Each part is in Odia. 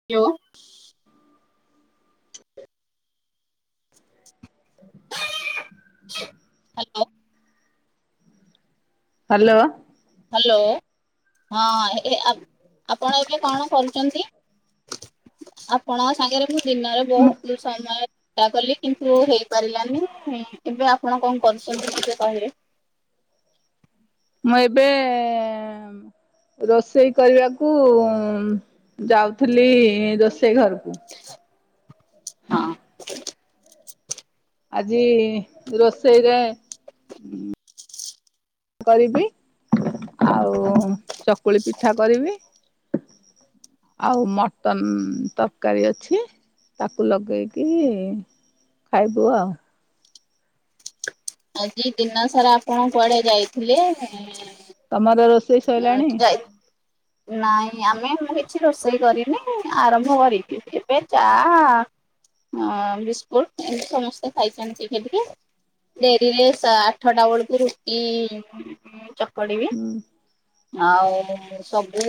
[unintelligible] [inaudible] [inaudible] Hello hello. ହ୍ୟାଲୋ ହଁ ଏ ଏ ଆ-ଆପଣ ଏବେ କଣ କରୁଛନ୍ତି। ଆପଣଙ୍କ ସାଙ୍ଗରେ ମୁଁ ଦିନରେ ମୁଁ ବହୁତ ସମୟ ନ୍ତା କଲେ କିନ୍ତୁ ହେଇପାରିଲାନି, ଏବେ ଆପଣ କଣ କରୁଛନ୍ତି ଟିକେ କହିବେ। ମୁଁ ଏବେ ରୋଷେଇ କରିବାକୁ ଯାଉଥିଲି ରୋଷେଇ ଘରକୁ। ହଁ। ଆଜି ରୋଷେଇରେ କରିବି ଆଉ ଚକୁଳି ପିଠା କରିବି। ଆଉ ମଟନ ତରକାରୀ ଅଛି। ତାକୁ ଲଗେଇକି ଖାଇବୁ ଆଉ। ଆଜି ଦିନ ସାରା ଆପଣ କୁଆଡେ ଯାଇଥିଲେ। ଏ ତମର ରୋଶ୍ ଆ ଯାଇ ନାଇଁ ଆମେ ମୁଁ କିଛି ରୋଷେଇ କରିନି ଆରମ୍ଭ କରିବି। ଏବେ ଚା ହ ବିସ୍କୁଟ ଏମିତି ସମସ୍ତେ ଖାଇଛନ୍ତି ଟିକେ ଟିକେ। ଡେରିଲେ ଶା ଆଠଟା ବେଳକୁ ରୁଟି ଚକଡିବି। ହୁଁ। ଆଉ ସବୁ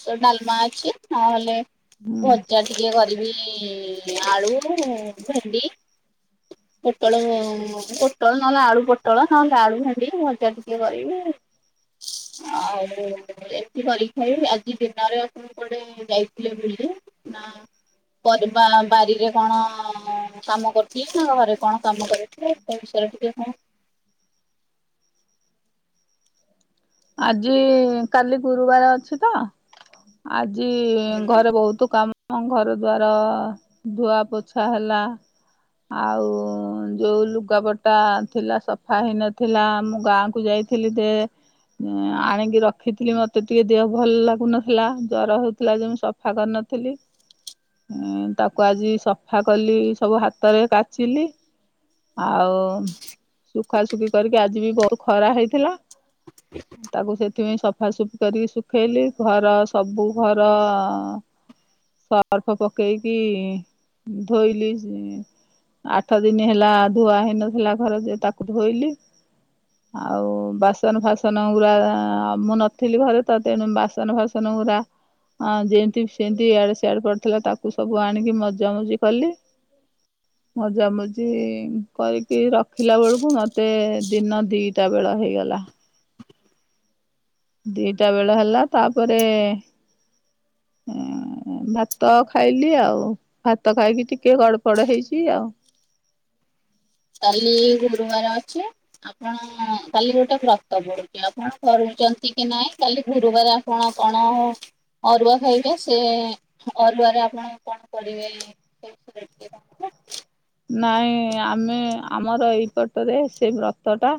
ସ ଡାଲମା ଅଛି ନହେଲେ ହୁଁ ଭଜା ଟିକେ କରିବି ଆଳୁ ଭେଣ୍ଡି। ପୋଟଳ ପୋଟଳ ନହେଲେ, ଆଳୁ ପୋଟଳ ନହେଲେ ଆଳୁ ଭେଣ୍ଡି ଭଜା ଟିକେ କରିବି। ଆଉ ଏମିତି କରି ଖାଇ ଆଜି ଦିନରେ ଆପଣ କୁଆଡେ ଯାଇଥିଲେ ବୁଲି। ନା। ଘର ବାରିରେ କଣ କାମ କରୁଥିଲେ, ନା ଘରେ କଣ କାମ କରିଥିଲେ। [unintelligible] ଆଜି କାଲି ଗୁରୁବାର ଅଛି ତ ଆଜି ଘରେ ବହୁତ କାମ। ମ ଘର ଦ୍ୱାର ଧୁଆ ପୋଛା ହେଲା। ଆଉ ଯୋଉ ଲୁଗାପଟା ଥିଲା ସଫା ହେଇନଥିଲା ମୁଁ ଗାଁକୁ ଯାଇ ଥିଲି ଦେ ଆଣିକି ରଖିଥିଲି, ମତେ ଟିକେ ଦେହ ଭଲ ଲାଗୁନ ଥିଲା, ଜର ହଉଥିଲା ଯଉ ସଫା କରିନଥିଲି। ଉଁ ତାକୁ ଆଜି ସଫା କଲି ସବୁ ହାତରେ କାଚିଲି। ଆଉ ଶୁଖାସୁଖି କରିକି ଆଜି ବି ବହୁ ଖରା ହେଇଥିଲା। ତାକୁ ସେଥିପାଇଁ ସଫାସୁଫି କରିକି ଶୁଖେଇଲି ଘରେ ର ସବୁ ଘର ସର୍ଫ ପକେଇକି ଧୋଇଲି ଯି ଆଠ ଦିନି ହେଲା ଧୁଆ ହେଇନଥିଲା ଘର ଯେ ତାକୁ ଧୋଇଲି। ଆଉ ବାସନ ଫାସନ ଗୁରା ମୁଁ ନଥିଲି ଘରେ ତ ତେଣୁ ବାସନ ଫାସନ ବାସନ ଗୁରା ହଁ ଯେନ୍ତି ବି ସେନ୍ତି ଇଆଡେ ସିଆଡେ ପଡିଥିଲା ତାକୁ ସବୁ ଆଣିକି ମଜା ମଜି କଲି। [inaudible] ମଜାମଜି କରିକି ରଖିଲା ବେଳକୁ ମତେ ଦିନ ଦିଟା ବେଳ ହେଇଗଲା। ଦି ଟା ବେଳ ହେଲା ତାପରେ ଉଁ- ଉଁ -ଭାତ ଖାଇଲି ଆଉ ଭାତ ଖାଇକି ଟିକେ ଗଡ଼ପଡ ହେଇଚି ଆଉ। କାଲି ଗୁରୁବାର ଅଛି। ଆପଣ କାଲି ଗୋଟେ ବ୍ରତ ପଡୁଚି ଆପଣ କରୁଚନ୍ତି କି ନାଇଁ କାଲି ଗୁରୁବାର ଆ କଣ କଣ ହଉ ଅରୁଆ ଖାଇବେ ସେ ଅରୁଆରେ ଆପଣ କଣ କରିବେ ଏ ସବୁ [unintelligible] ନାଇଁ ଆମେ ଆମର ଏଇପଟରେ ସେଇ ବ୍ରତ ଟା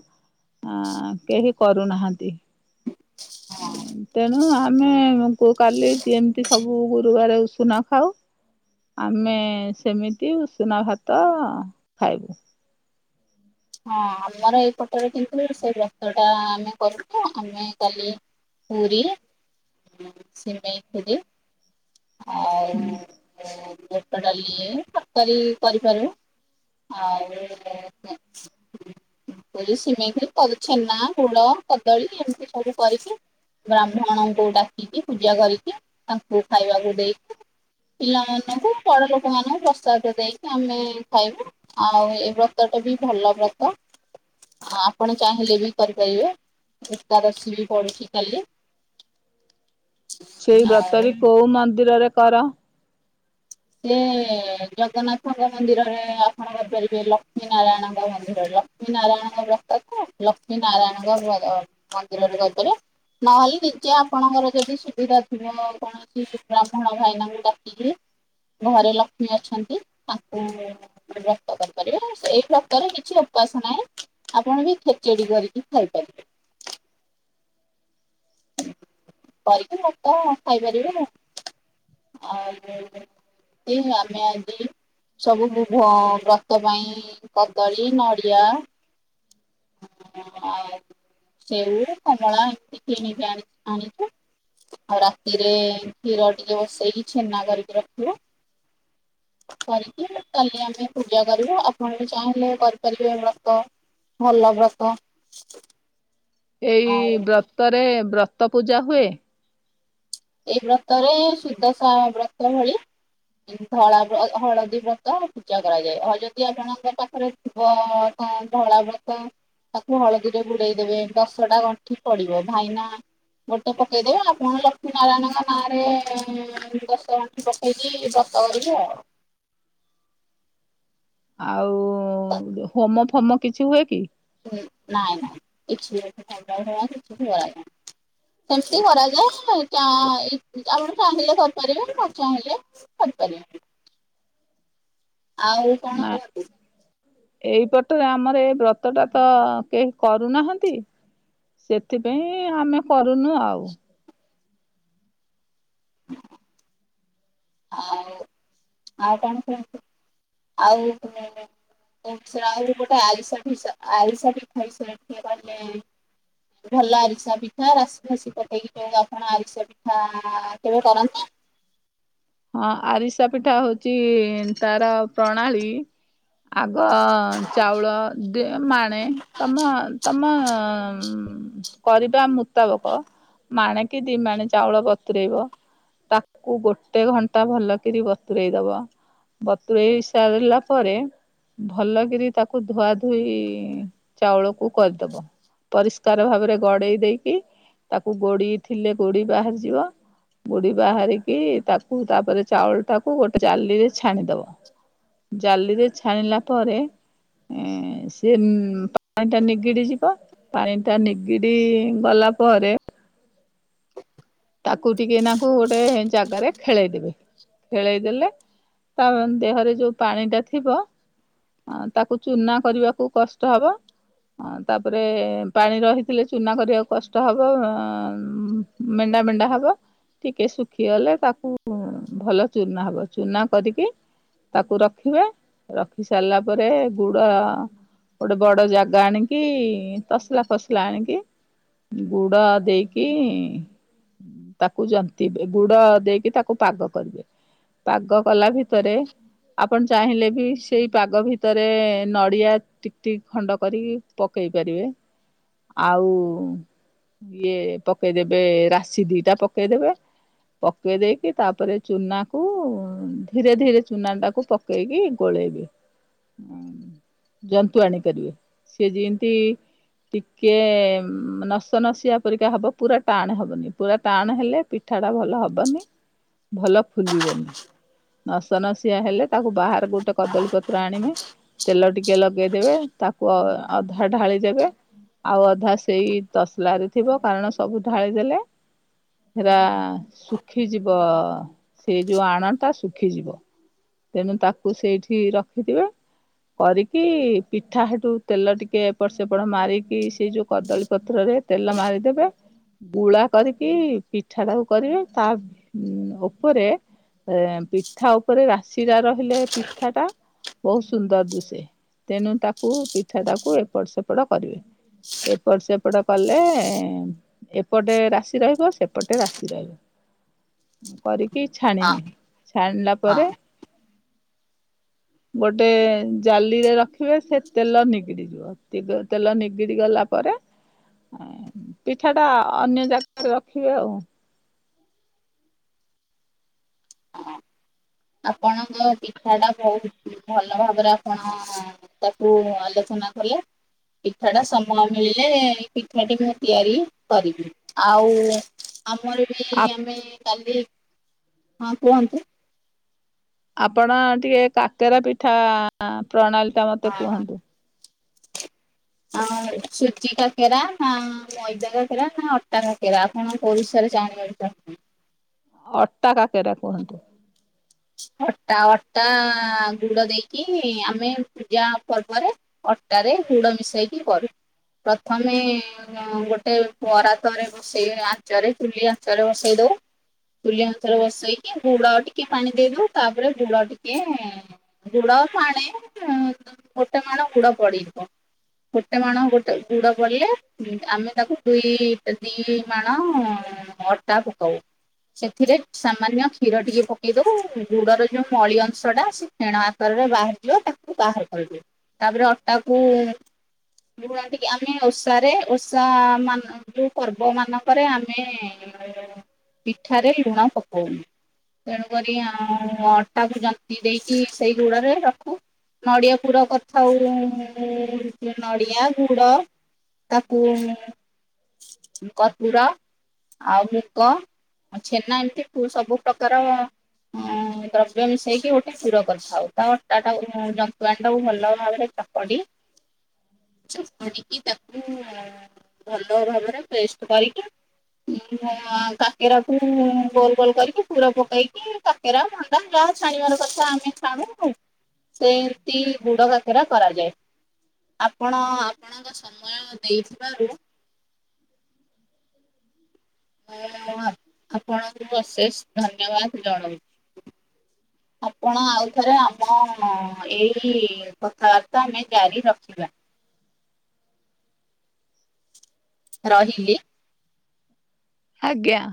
ଆଁ -କେହି କରୁନାହାନ୍ତି। ହଁ। ତେଣୁ ଆମେ କୁ କାଲି ସିଏ ଏମିତି ସବୁ ବୁ ଗୁରୁବାରେ ଉଷୁନା ଖାଉ ଆମେ ସେମିତି ଉଷୁନା ଭାତ୍ ତ ଖାଇବୁ ହଁ ଆମର ଏଇପଟରେ କିନ୍ତୁ ସେ ବ୍ରତ ଟା ଆମେ କରୁଚୁ ଆମେ କଲେ ପୁରୀ, ସିମେଇ ଖିରୀ ଆଉ ଯଉ ଏବେ ଡାଲି, ତରକାରୀ କରିପାରୁ ଆଉ କଣ ହ [unintelligible] ପୁରି, ସିମେଇ କରି ଛେନା, ଗୁଡ, କଦଳୀ ଏମିତି ସବୁ କରିଚି। ବ୍ରାହ୍ମଣ ମାନଙ୍କୁ ଡାକିକି ପୂଜା କରିକି ତାଙ୍କୁ ଖାଇବାକୁ ଦେଇକି ପିଲାମାନଙ୍କୁ ବଡ ଲୋକମାନଙ୍କୁ ପ୍ରସାଦ ଦେଇକି ଆମେ ଖାଇବୁ। ଆଉ ଏଇ ବ୍ରତଟି ବି ଭଲ ବ୍ରତ। ଆପଣ ଚାହିଁଲେ ବି କରିପାରିବେ ଏକାଦଶୀ ବି ପଡୁଚି କାଲି। [inaudible] ସେଇ ବ୍ରତ ବି ଆଉ କଉ ମନ୍ଦିରରେ କର? ସେ ଜଗନ୍ନାଥଙ୍କ ମନ୍ଦିରରେ ଅର୍ପଣ କରିପାରିବେ ଲକ୍ଷ୍ମୀ ନାରାୟଣଙ୍କ ମନ୍ଦିରରେ। ଲକ୍ଷ୍ମୀ ନାରାୟଣ ବ୍ରତକୁ ଲକ୍ଷ୍ମୀ ନାରାୟଣଙ୍କ ମନ୍ଦିରରେ କରିଦେବେ। ନହେଲେ ନିଜେ ଆପଣଙ୍କର ଯଦି ସୁବିଧା ଥିବ କଣ ବ୍ରାହ୍ମଣ ଭାଇନାଙ୍କୁ ଡାକିକି ଘରେ ଲକ୍ଷ୍ମୀ ଅଛନ୍ତି ତାଙ୍କୁ କେବଳ ବ୍ରତ କରିପାରିବେ ସେଇ ବ୍ରତ ରେ କିଛି ଉପାସ ନାହିଁ। ଆପଣ ବି ଖେଚେଡି କରିକି ଖାଇପାରିବେ। କରିକି ମତ ଖାଇପାରିବେ। ଆଉ [unintelligible] ଆମେ ଆଜି ସବୁ ଭୁ- ଭ- ବ୍ରତ ପାଇଁ କଦଳୀ, ନଡିଆ ଆଉ ସେଉ, କମଳା ଏମତି କିଣିକି ଆଣି- ଆଣିଚୁ ଆଉ ରାତିରେ କ୍ଷୀର ଟିକେ ବସେଇକି ଛେନା କରିକି ରଖିବ କରିକି ତାହେଲେ ଆମେ ପୂଜା କରିବୁ ଆପଣ ବି ଚାହିଁଲେ କରିପାରିବେ ବ୍ରତ। ଭଲ ବ୍ରତ। ଏଇ ଆଉ ବ୍ରତରେ ବ୍ରତ ପୂଜା ହୁଏ? ଏଇ ବ୍ରତରେ ସୁଦଶା ବ୍ରତ ଭଳି। ଧଳା ବ ହଳଦୀ ବ୍ରତ ପୂଜା କରାଯାଏ, ଯଦି ଆପଣଙ୍କ ପାଖରେ ଥିବ ତ ଧଳା ବ୍ରତ ତାକୁ ହଳଦୀରେ ବୁଡେଇଦବେ ଦଶଟା ଗଣ୍ଠି ପଡିବ, ଭାଇନା ଗୋଟେ ପକେଇଦେବେ ଆପଣ ନାରାୟଣଙ୍କ ନାଁରେ ଦଶଗଣ୍ଠି ପକେଇକି ବ୍ରତ କରିବେ ଆଉ। ଆଉ ହୋମ ଫୋମ କିଛି ହୁଏ କି? ନାଇ ନାଇଁ କିଛି ହୁଏନି ହୋମ ଫୋମ କିଛି ହୁଏନି। ଏମିତି କରାଯାଏ ଚା ଏଇ ଆପଣ ଚାହିଁଲେ କରିପାରିବେ ନ ଚାହିଁଲେ କରିପାରିବେନି, ଆଉ ନା କଣ କହିବୁ? ଏଇପଟରେ ଆମର ଏ ବ୍ରତ ଟା ତ କେହି କରୁନାହାନ୍ତି। ସେଥିପାଇଁ ଆମେ କରୁନୁ ଆଉ। ହଁ। ଆଉ ଆଉ କଣ କୁହନ୍ତୁ ଆଉ ଗୋଟେ ଆରିସା ପିସା ଆରିସା ପିଠା ବିଷୟରେ ଟିକେ କହିଲେ ଭଲ ଆରିସା ପିଠା ରାଶିଫାସି ପକେଇକି କଣ ଆପଣ ଆରିଷା ପିଠା କେବେ କରନ୍ତି? ହଁ ଆରିସା ପିଠା ହୋଉଚି ତାର ପ୍ରଣାଳୀ। ଆଗ ଚାଉଳ ଦି ମାଣେ ତମ ତମ କରିବା ମୁତାବକ ମାଣେ। କି ଦିଇ ମାଣେ ଚାଉଳ ବତୁରେଇବ ତାକୁ ଗୋ ଗୋଟେ ଘଣ୍ଟା ଭଲକି ବତୁରେଇ ଦବ, ବତୁରେଇ ସାରିଲା ପରେ ଭଲକିରି ତାକୁ ଧୁଆ ଧୋଇ ଚାଉଳକୁ କରିଦବ। ପରିଷ୍କାର ଭାବରେ ଗଡ଼େଇ ଦେଇକି ତାକୁ ଗୋଡ଼ି ଥିଲେ ଗୋଡ଼ି ବାହାରିଯିବ। ବୁଡି ବାହାରିକି ତାକୁ ତାପରେ ଚାଉଳ ଟାକୁ ଗୋଟେ ଜାଲିରେ ଛାଣିଦବ। ଜାଲିରେ ଛାଣିଲା ପରେ ଏ ସିଏ ପାଣି ଟା ନିଗିଡି ଯିବ। ପାଣି ଟା ନିଗିଡି ଗଲା ପରେ ତାକୁ ଟିକେନାକୁ ଗୋଟେ ଜାଗାରେ ଖେଳେଇଦବେ, ଖେଳେଇ ଦେଲେ ତା ଦେହରେ ଯୋଉ ପାଣି ଟା ଥିବ ହଁ ତାକୁ ଚୁନା କରିବାକୁ କଷ୍ଟ ହବ। ତାପରେ ପାଣି ରହିଥିଲେ ଚୁନା କରିବାକୁ କଷ୍ଟ ହବ, ମେ ନାଁ ମେଣ୍ଡା ମେଣ୍ଡା ହବ। ଟିକେ ଶୁଖିଗଲେ ତାକୁ ଭଲ ଚୁନା ହବ, ଚୁନା କରିକି ତାକୁ ରଖିବେ ରଖି ସାରିଲା ପରେ ଗୁଡ ଗୋଟେ ବଡ ଜାଗା ଆଣିକି ତସଲା ଫସଲା ଆଣିକି ଗୁଡ଼ ଦେଇକି ତାକୁ ଜନ୍ତିବେ ଗୁଡ ଦେଇକି ତାକୁ ପାଗ କରିବେ। ପାଗ କଲା ଭିତରେ ଆପଣ ଚାହିଁଲେ ବି ସେଇ ପାଗ ଭିତ ଭିତରେ ନଡିଆ ଟିକ ଟିକ ଖଣ୍ଡ କରି ପକେଇ ପାରିବେ ଆଉ ଇଏ ପକେଇଦେବେ ରାଶି ଦିଇଟା ପକେଇଦେବେ। ପକେଇ ଦେଇକି ତାପରେ ଚୁନା କୁ ଧୀରେ ଧୀରେ ଚୁନା ଟାକୁ ପକେ ଦେଇକି ଗୋଳେଇବେ। [inaudible] ଜନ୍ତୁଆଣି କରିବେ ସିଏ ଯେମତି ଟିକେ ନସ ନସିଆ ପରିକା ହବ ପୁରା ଟାଣ ହବନି। ପୁରା ଟାଣ ହେଲେ ପିଠାଟା ଭଲ ହବନି ଭଲ ଫୁଲିବନି। ନସ ନସିଆ ହେଲେ ତାକୁ ବାହାରେ ଗୋଟେ କଦଳୀ ପତ୍ର ଆଣିବେ ତେଲ ଟିକେ ଲଗେଇଦେବେ ତାକୁ ଅଧା ଢାଳି ଦେବେ। ଆଉ ଅଧା ସେଇ ତସଲାରେ ଥିବ କାରଣ ସବୁ ଢାଳି ଦେଲେ ସେରା ଶୁଖିଯିବ ସେଇ ଯୋଉ ଆଣଟା ଶୁଖିଯିବ। ତେଣୁ ତାକୁ ସେଇଠି ରଖିଥିବା। କରିକି ପିଠା ହେଠୁ ତେଲ ଟିକେ ଏପଟ ସେପଟ ମାରିକି ସେ ଯୋଉ କଦଳୀ ପତ୍ରରେ ତେଲ ମାରିଦେବେ। ଗୁଳା କରିକି ପିଠାଟାକୁ କରିବେ ତା ଉପରେ ଏ ପିଠା ଉପରେ ରାଶିଟା ରହିଲେ ପିଠା ଟା ବହୁତ ସୁନ୍ଦର ଦିଷେ ତେଣୁ ତାକୁ ପିଠାଟାକୁ ଏପଟ ସେପଟ କରିବେ। ଏପଟ ସେପଟ କଲେ ଏପଟେ ରାଶି ରହିବ ସେପଟେ ରାଶି ରହିବ। କରିକି ହଁ ଛାଣିବି ଛାଣିଲା ହଁ ପରେ। ଗୋଟେ ଜାଲିରେ ରଖିବେ ସେ ତେଲ ନିଗିଡିଯିବ ତେଲ ନିଗିଡି ଗଲା ପରେ ପିଠାଟା ଅନ୍ୟ ଜାଗାରେ ରଖିବେ ଆଉ। ହଁ ଆପଣଙ୍କ ପିଠା ଟା ବହୁତ ଭଲ ଭାବରେ ଆପଣ ପିଠାକୁୁ ଆଲୋଚନା କଲେ। ପିଠାଟା ସମୟ ମିଳିଲେ ଏଇ ପିଠାଟି ମୁଁ ତିଆରି କରିବି ଆଉ ଆମର ବି ଆ ଆମେ କାଲି ହଁ କୁହନ୍ତୁ? ଆପଣ ଟିକେ କାକେରା ପିଠା ପ୍ରଣାଳୀଟା ମତେ ହଁ କୁହନ୍ତୁ? ଆ ସୁଜି କାକେରା ନା ମଇଦା କାକେରା ନା ଅଟା କାକେରା? କଣ କୋଉ ବିଷୟରେ ଜାଣିବାକୁ ଚାହୁଁଛନ୍ତି? ଅଟା କାକେରା କୁହନ୍ତୁ? ଅଟା ଅଟା ଗୁଡ ଦେଇକି ଆମେ ପୂଜା ପର୍ବରେ ଅଟାରେ ଗୁଡ ମିଶେଇକି କରୁ ପ୍ରଥମେ ଗୋଟେ ପରାତରେ ବସେଇ ଆଞ୍ଚରେ ଚୁଲି ଆଞ୍ଚରେ ବସେଇ ଦଉ। ଚୁଲି ଆଞ୍ଚରେ ବସେଇକି ଗୁଡ ଟିକେ ପାଣି ଦେଇଦଉ ତାପରେ ଗୁଡ ଟିକେ ଗୁଡ ପାଣି ଗୋଟେ ମାଣ ଗୁଡ ପଡିିଥିବବ। ଗୋଟେ ମାଣ ଗୋଟେ ଗୁଡ ପଡ଼ିଲେ ଆମେ ତାକୁ ଦୁଇ ଦି ମାଣ ଅଟା ପକାଉ ସେଥିରେ ସାମାନ୍ୟ କ୍ଷୀର ଟିକେ ପ ଏଇ ଯୋଉ ଗୁଡର ଯୋଉ ମଳି ଅଂଶଟା ସେ ଖଛେଣ ଆକାରରେ ବାହାରିଯିବ ତାକୁ ବାହାର କରିଦବ। ତାପରେ ଅଟାକୁ ଗୁଳା ଟିକେ ଆମେ ଓଷାରେ ଓଷା ମାନ ଯୋଉ ପର୍ବମାନଙ୍କରେ ଆମେ ପିଠାରେ ଲୁଣ ପକଉ। ତେଣୁକରି ଆଉ ଅଟାକୁ ଯନ୍ତି ଦେଇକି ସେଇ ଗୁଡ଼ରେ ରଖୁ। ନଡ଼ିଆ ପୂର କରିଥାଉ ନଡ଼ିଆ ଗୁଡ। ତାକୁ କର୍ପୁର ଆଉ ମୁଗ ଆଉ ଛେନା ଏମିତି ସବୁ ପକ୍ କର। ହଁ ଦ୍ରବ୍ୟ ମିଶେଇକି ଗୋଟେ ପୁର କରିଥାଉ ତା ତା ଟା ଜନ୍ତୁଆଣିଟାକୁ ଭଲ ଭାବରେ। ଚକଡ଼ି ଚକଡିକି ତାକୁ ଭଲ ଭାବରେ ପେଷ୍ଟ କରିକି। କାକେରାକୁ ଗୋଲ ଗୋଲ୍ କରିକି ପୁର ପକେଇକି କାକେରା ମଣ୍ଡା ଯାହା ଛାଣିବାର କଥା ଆମେ ଛାଣୁ ଆଉ। ସେମତି ଗୁଡ କାକେରା କରାଯାଏ। ଆପଣ ଆପଣଙ୍କ ସମୟ ଦେଇଥିବାରୁ ହ ଆ ଆପଣଙ୍କୁ ଅଶେଷ ଧନ୍ୟବାଦ ଜଣାଉଛି। ଆପଣ ଆଉ ଥରେ ଆମ ଏଇ ଇ କଥାବାର୍ତ୍ତା ଆମେ ଜାରି ରଖିବା। ରହିଲି। ଆଜ୍ଞା।